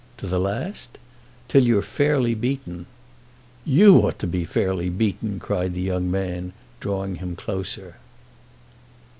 "To the last?" "Till you're fairly beaten." "You ought to be fairly beaten!" cried the young man, drawing him closer.